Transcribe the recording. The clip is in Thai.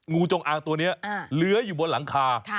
งูจงอางตัวนี้เลื้อยอยู่บนหลังคา